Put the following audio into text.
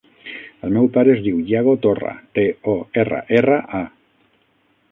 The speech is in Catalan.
El meu pare es diu Iago Torra: te, o, erra, erra, a.